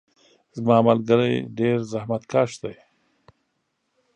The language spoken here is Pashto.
زما ملګري ډیر زحمت کش دي.